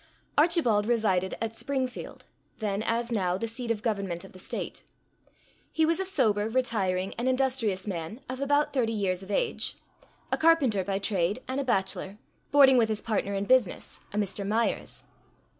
Archibald resided at Springfield, then as now the seat of Government of the State. He was a sober, retiring, and industrious man, of about thirty years of age; a carpenter by trade, and a bachelor, boarding with his partner in business—a Mr. Myers.